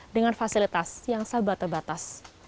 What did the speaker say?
dengan fasilitas yang sebatas